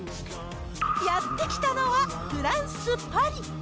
やって来たのは、フランス・パリ。